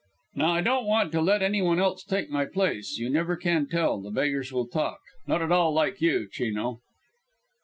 "Now I don't want to let any one else take my place you never can tell the beggars will talk. Not all like you, Chino."